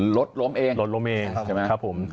ลดลมเองครับผม